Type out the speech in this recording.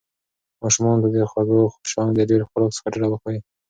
ماشومانو ته د خوږو شیانو د ډېر خوراک څخه ډډه وښایئ.